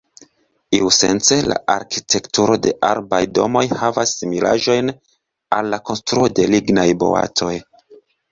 Iusence la arkitekturo de arbaj domoj havas similaĵojn al la konstruo de lignaj boatoj.